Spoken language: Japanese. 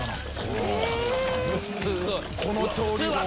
この調理法。